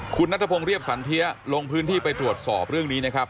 คุณนัทพงศ์เรียบสันเทียลงพื้นที่ไปตรวจสอบเรื่องนี้นะครับ